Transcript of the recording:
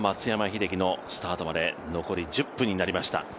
松山英樹のスタートまで残り１０分になりました。